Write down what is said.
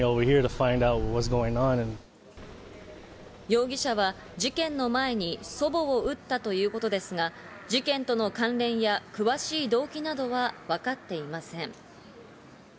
容疑者は事件の前に祖母を撃ったということですが、事件との関連や詳しい動機などは分かっていません。